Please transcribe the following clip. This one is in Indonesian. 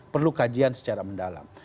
perlu kajian secara mendalam